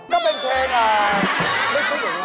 ก็เป็นเพลงอ่าวเดี๋ยวคุณหนึ่งน้อง